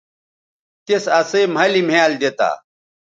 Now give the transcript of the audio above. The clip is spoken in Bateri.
تِس اسئ مھلِ مھیال دی تا